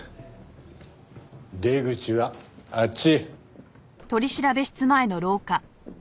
出口はあっち！